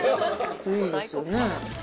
いいですよね。